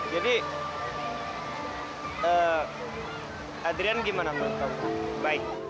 jadi adrian gimana sama kamu baik